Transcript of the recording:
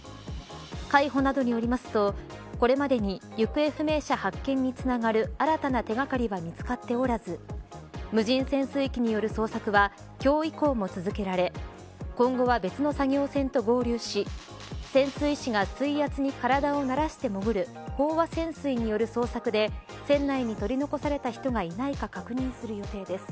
海保などによりますとこれまでに行方不明者発見につながる新たな手掛かりは見つかっておらず無人潜水機による捜索は今日以降も続けられ今後は別の作業船と合流し潜水士が水圧に体を慣らして潜る飽和潜水による捜索で船内に取り残された人がいないか確認する予定です。